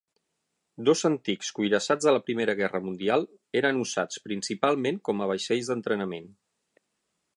Dos antics cuirassats de la Primera Guerra Mundial eren usats principalment com a vaixells d'entrenament.